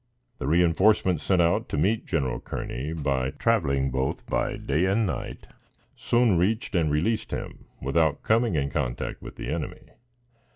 The reinforcements sent out to meet General Kearney, by traveling both by day and night, soon reached and released him, without coming in contact with the enemy.